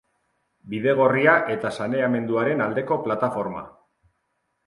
Bidegorria eta saneamenduaren aldeko plataforma